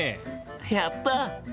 やった！